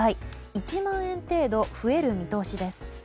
１万人程度増える見通しです。